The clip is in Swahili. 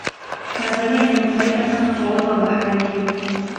tanzania inanufaika sana kwa uwepo wa bahari hiyo